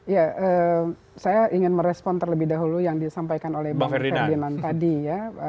ya saya ingin merespon terlebih dahulu yang disampaikan oleh bang ferdinand tadi ya